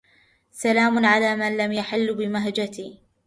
سلام على من لم يحل بمهجتي